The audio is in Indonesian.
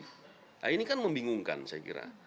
nah ini kan membingungkan saya kira